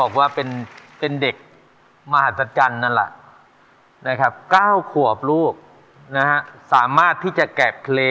ขอบคุณค่ะ